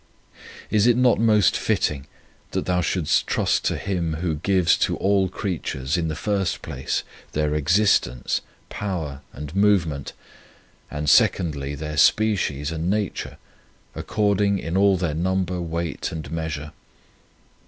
Is it not most fitting that thou shouldst trust Him Who gives to all creatures, in the first place, their existence, power, and move The Providence of God ment, and, secondly, their species and nature, ordering in all their number, weight, and measure